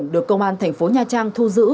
được công an thành phố nha trang thu giữ